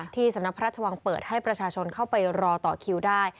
ที่สำนักพระราชวังเปิดให้ประชาชนเข้าไปรอต่อคิวได้